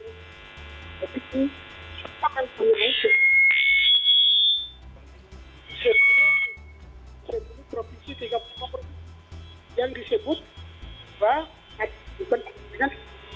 bahwa ada kebanyakan kebanyakan kebanyakan